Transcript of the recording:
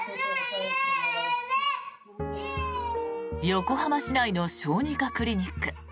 横浜市内の小児科クリニック。